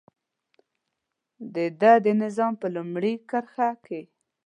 دده د نظام په لومړي سر کې.